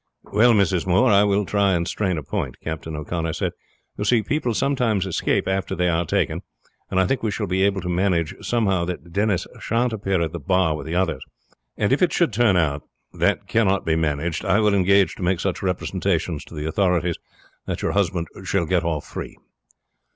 "Well, Mrs. Moore, I will try and strain a point," Captain O'Connor said. "You see, people sometimes escape after they are taken, and I think we shall be able to manage somehow that Denis shan't appear at the bar with the others; and if it should turn out that cannot be managed I will engage to make such representations to the authorities that your husband shall get off free."